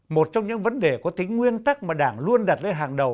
một trong những vấn đề có tính nguyên tắc mà đảng luôn đặt lên hàng đầu